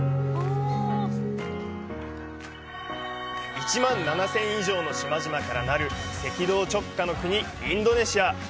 １万７０００以上の島々からなる赤道直下の国、インドネシア。